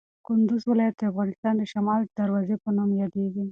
کندوز ولایت د افغانستان د شمال د دروازې په نوم یادیږي.